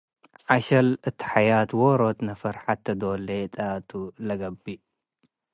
ዐሸል እት ሐያት ዎሮት ነፈር ሐቴ ዶል ሌጠ ቱ ለገብእ ።